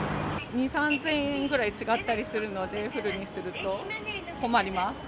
２、３０００円ぐらい違ったりするので、フルにすると、困ります。